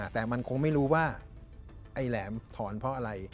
แต่มันคงไม่รู้ว่าไอ้แหลมถอนเพราะอะไร